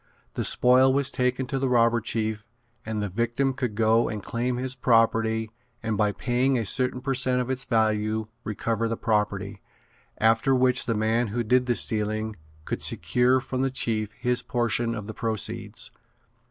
The spoil was taken to the robber chief and the victim could go and claim his property and by paying a certain per cent of its value recover the property, after which the man who did the stealing could secure from the chief his portion of the proceeds.